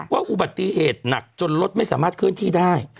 อุบัติเหตุหนักจนรถไม่สามารถเคลื่อนที่ได้